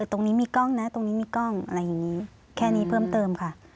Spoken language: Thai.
ตรงนี้มีกล้องนะตรงนี้มีกล้องอะไรอย่างนี้แค่นี้เพิ่มเติมค่ะ